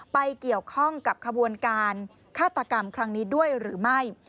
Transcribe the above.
ไปเกี่ยวข้องกับขบวนการฆาตกรรมครั้งนี้ด้วยหรือไม่